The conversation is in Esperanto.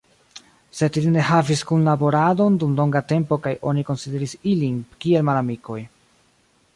Sed ili ne havis kunlaboradon dum longa tempo kaj oni konsideris ilin kiel malamikoj.